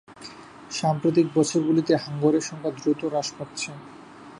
সাম্প্রতিক বছরগুলিতে হাঙ্গরের সংখ্যা দ্রুত হ্রাস পেয়েছে।